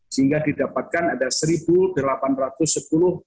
sehingga didapatkan ada satu delapan ratus sepuluh orang